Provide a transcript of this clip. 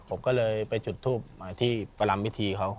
ผมก็เลยไปจุดทูปที่ประรำพิธีเขา